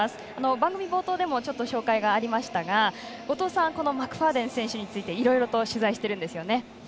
番組冒頭でも紹介がありましたが後藤さんマクファーデン選手についていろいろ取材しているんですよね。